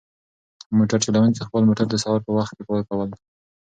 موټر چلونکی خپل موټر د سهار په وخت کې پاکوي.